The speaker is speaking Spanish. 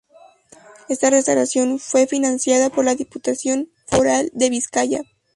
Esta restauración fue financiada por la Diputación Foral de Vizcaya.